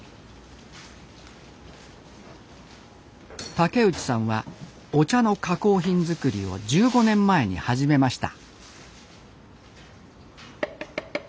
竹内さんはお茶の加工品づくりを１５年前に始めました